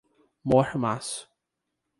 Mormaço